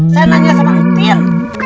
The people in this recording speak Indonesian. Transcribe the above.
saya nanya sama kefir